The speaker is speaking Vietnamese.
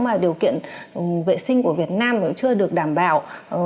mà điều kiện vệ sinh của việt nam cũng chưa được đảm bảo